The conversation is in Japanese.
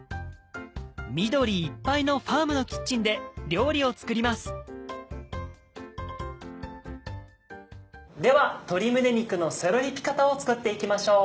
緑いっぱいのファームのキッチンで料理を作りますでは「鶏胸肉のセロリピカタ」を作っていきましょう。